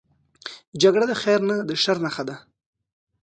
جګړه د خیر نه، د شر نښه ده